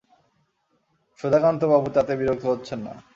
সুধাকান্তবাবু তাতে বিরক্ত হচ্ছেন না।